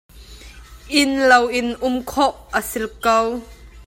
Innlo in um khawh a si ko.